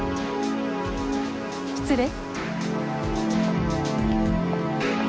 失礼。